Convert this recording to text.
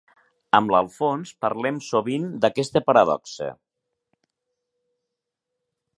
Amb l'Alfons parlem sovint d'aquesta paradoxa.